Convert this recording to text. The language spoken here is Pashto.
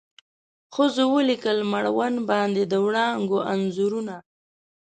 ښځو ولیکل مړوند باندې د وړانګو انځورونه